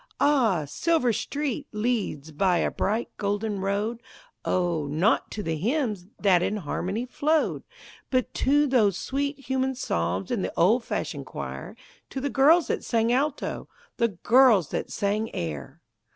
Ah! "Silver Street" leads by a bright, golden road O! not to the hymns that in harmony flowed But to those sweet human psalms in the old fashioned choir, To the girls that sang alto, the girls that sang air!